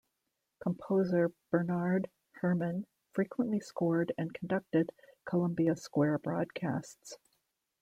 Composer Bernard Hermann frequently scored and conducted Columbia Square broadcasts.